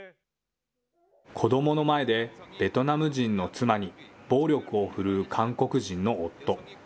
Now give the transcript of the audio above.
子どもの前で、ベトナム人の妻に暴力を振るう韓国人の夫。